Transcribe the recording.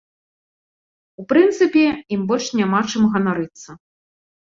У прынцыпе, ім больш няма чым ганарыцца.